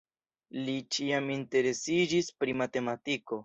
Li ĉiam interesiĝis pri matematiko.